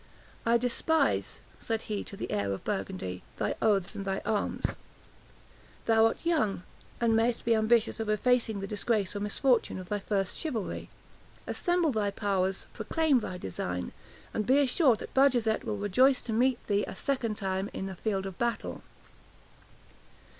"I despise," said he to the heir of Burgundy, "thy oaths and thy arms. Thou art young, and mayest be ambitious of effacing the disgrace or misfortune of thy first chivalry. Assemble thy powers, proclaim thy design, and be assured that Bajazet will rejoice to meet thee a second time in a field of battle."